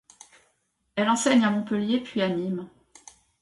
Elle enseigne à Montpellier puis à Nîmes.